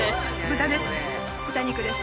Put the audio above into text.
豚です。